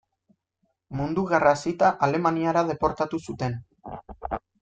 Mundu gerra hasita Alemaniara deportatu zuten.